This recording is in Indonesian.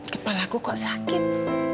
kepala aku kok sakit